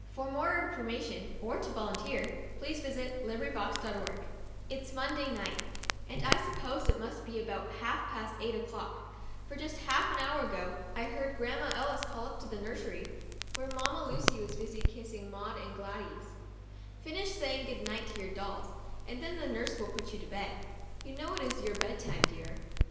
82 The Diary of a Birthday Doll CHAPTER I MONDAY MY FIRST BATH It's Monday night, and I suppose it must be about half past eight o'clock, for just half an hour ago I heard Grandma Ellis call up into the nursery, where Mamma Lucy was busy kissing Maud and Gladys : "Finish saying good night to your dolls, and then nurse will put you to bed. You know it's your bed time, dear."